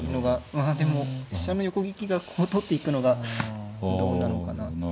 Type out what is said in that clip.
まあでも飛車の横利きがこう通っていくのがどうなのかなって。